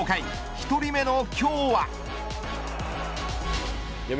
１人目の今日は。